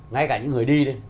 ngay cả những người đi đây